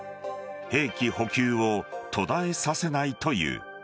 兵器補給を途絶えさせないという。